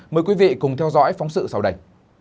mời quý vị cùng theo dõi phóng sự sau đây